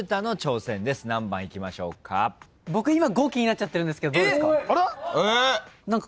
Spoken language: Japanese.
僕今５気になっちゃってるんですけどどうですか？